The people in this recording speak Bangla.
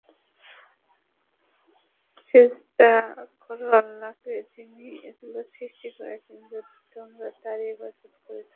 সিজদা কর আল্লাহকে যিনি এগুলো সূষ্টি করেছেন, যদি তোমরা তারই ইবাদত করে থাকো।